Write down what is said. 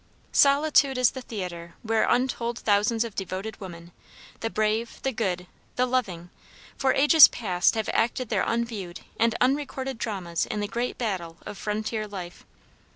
Solitude is the theatre where untold thousands of devoted women the brave, the good, the loving for ages past have acted their unviewed and unrecorded dramas in the great battle of frontier life.